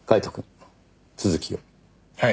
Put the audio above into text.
はい。